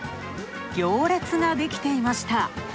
行列ができていました。